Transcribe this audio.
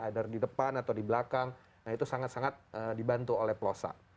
either di depan atau di belakang itu sangat sangat dibantu oleh plosa